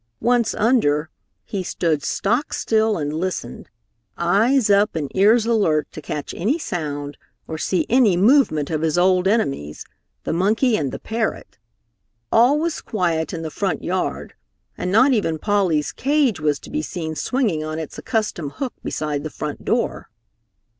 Once under, he stood stock still and listened, eyes up and ears alert to catch any sound or see any movement of his old enemies, the monkey and the parrot. All was quiet in the front yard, and not even Polly's cage was to be seen swinging on its accustomed hook beside the front door.